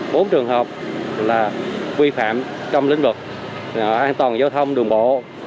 bốn trường hợp là vi phạm trong lĩnh vực an toàn giao thông đường bộ